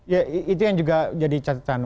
jadi itu yang juga jadi catatan